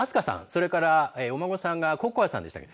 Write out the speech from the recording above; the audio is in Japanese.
それからお孫さんが心明さんでしたっけ